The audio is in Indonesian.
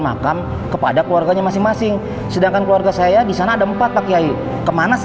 makam kepada keluarganya masing masing sedangkan keluarga saya di sana ada empat pak kiai kemana sih